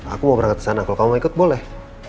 aku mau berangkat sana kalau kamu mau ikut boleh